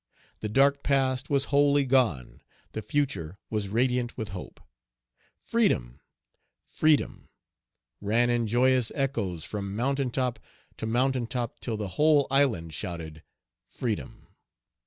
The dark past was wholly gone; the future was radiant with hope. "Freedom! freedom!" ran in joyous echoes from mountain top to mountain top till the whole island shouted "Freedom!"